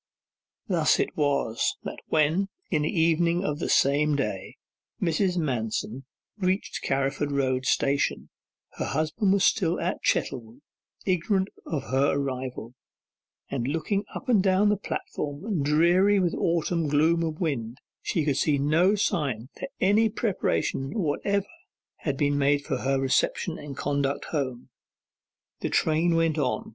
Thus it was that when, in the evening of the same day, Mrs. Manston reached Carriford Road Station, her husband was still at Chettlewood, ignorant of her arrival, and on looking up and down the platform, dreary with autumn gloom and wind, she could see no sign that any preparation whatever had been made for her reception and conduct home. The train went on.